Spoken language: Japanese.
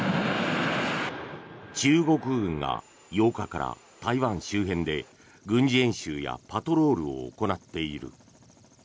中国軍が８日から台湾周辺で軍事演習やパトロールを行っている。